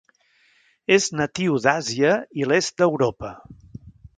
És natiu d'Àsia i l'est d'Europa.